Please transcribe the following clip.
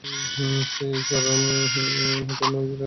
সেই ঈশ্বর হচ্ছেন ইজরাইলীদের স্রষ্টা!